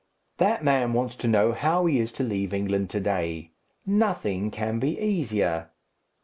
"That man wants to know how he is to leave England to day. Nothing can be easier.